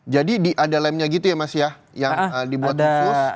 jadi ada lemnya gitu ya mas ya yang dibuat khusus